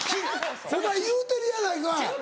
お前言うてるやないかい。